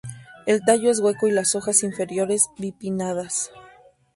El tallo es hueco, y las hojas inferiores bipinnadas.